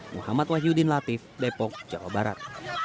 muhammad wahyudin latif depok jawa barat